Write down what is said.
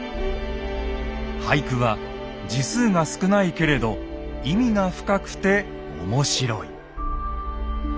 「俳句は字数が少ないけれど意味が深くて面白い」。